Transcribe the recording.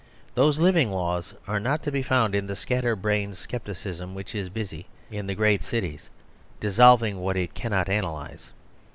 Those living laws are not to be found in the scatter brained scepticism which is busy in the great cities, dissolving what it cannot analyse.